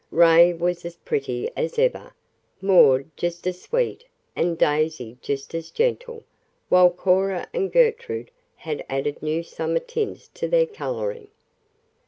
Ray was as pretty as ever, Maude just as sweet and Daisy just as gentle, while Cora and Gertrude had added new summer tints to their coloring.